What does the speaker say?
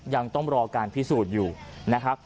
ยังต้องรอการพิสูจน์อยู่นะครับ